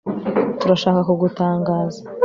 Turashaka kugutangaza